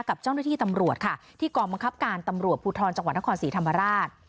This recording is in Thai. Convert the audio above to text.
กับเจ้าหน้าที่ตำรวจค่ะที่กองบังคับการตำรวจภูทรจังหวัดนครศรีธรรมราช